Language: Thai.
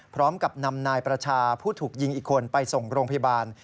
พร้อมกับนำนายประชาผู้ถูกยิงอีกคนไปส่งโรงพยาบาล